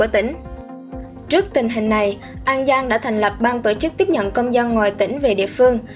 trước tình hình này an giang đã thành lập ban tổ chức tiếp nhận công dân ngoài tỉnh về địa phương